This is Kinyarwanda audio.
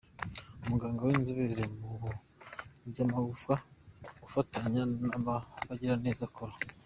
Umuganga w’inzobere mu by’amagufa ufatanya n’aba bagiraneza, Col.